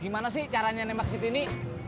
gimana sih caranya nembak situ ini